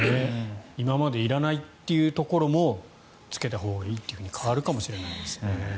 今までいらないというところもつけたほうがいいって変わるかもしれないですね。